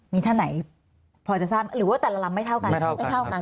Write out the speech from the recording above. มีท่านไหนพอจะทราบหรือว่าแต่ละลำไม่เท่ากัน